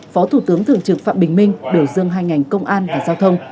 phó thủ tướng thượng trực phạm bình minh đội dương hai ngành công an và giao thông